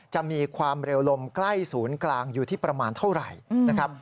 จะมีความเร็วลมใกล้ศูนย์กลางอยู่ที่ประมาณเท่าไหร่นะครับ